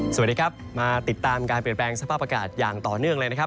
สวัสดีครับมาติดตามการเปลี่ยนแปลงสภาพอากาศอย่างต่อเนื่องเลยนะครับ